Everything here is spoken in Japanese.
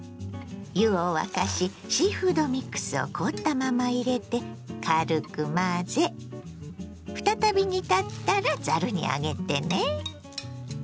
湯を沸かしシーフードミックスを凍ったまま入れて軽く混ぜ再び煮立ったらざるに上げてね。